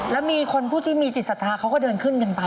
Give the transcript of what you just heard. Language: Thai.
แล้วมีคนผู้ที่มีจิตศรัทธาเขาก็เดินขึ้นกันไป